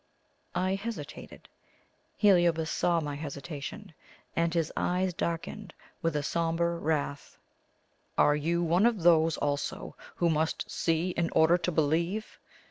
I hesitated. Heliobas saw my hesitation, and his eyes darkened with a sombre wrath. "Are you one of those also who must see in order to believe?"